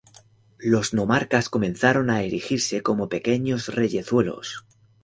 Los nomarcas comenzaron a erigirse como pequeños reyezuelos.